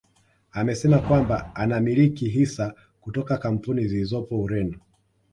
Amesema kwamba anamiliki hisa kutoka kampuni zilizopo Ureno